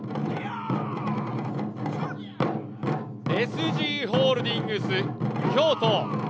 ＳＧホールディングス・京都。